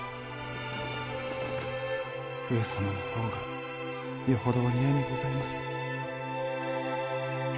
上様の方がよほどお似合いにございます。